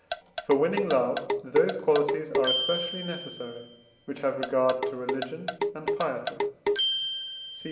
For winning love those qualities are especially necessary which have regard to religion and piety (cf.